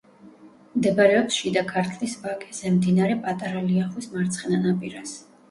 მდებარეობს შიდა ქართლის ვაკეზე, მდინარე პატარა ლიახვის მარცხენა ნაპირას.